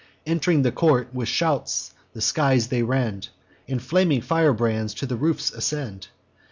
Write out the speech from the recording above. Ent'ring the court, with shouts the skies they rend; And flaming firebrands to the roofs ascend.